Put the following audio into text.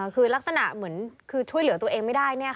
คือลักษณะเหมือนคือช่วยเหลือตัวเองไม่ได้